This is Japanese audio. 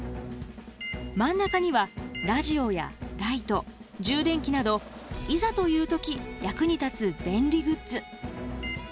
真ん中にはラジオやライト充電器などいざという時役に立つ便利グッズ。